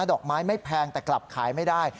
ดอกไม้ไม่แพงแต่กลับขายไม่ได้